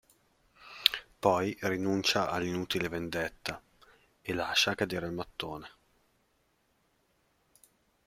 Poi rinuncia all’inutile vendetta, e lascia cadere il mattone…